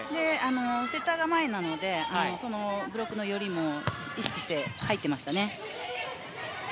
セッターが前なのでブロックの寄りも意識して入ってましたよね。